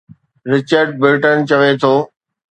Richard Burton چوي ٿو.